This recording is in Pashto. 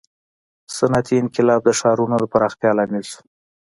• صنعتي انقلاب د ښارونو د پراختیا لامل شو.